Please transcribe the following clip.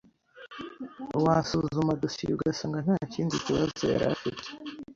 wasuzuma dosiye ugasanga nta kindi kibazo yari afite.